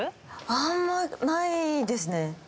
あんまないですねはい。